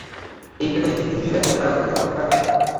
এই কাগজের ডিগ্রি নিজের বেডরুমে লাগাও, যেখানে তোমার থাকার কথা।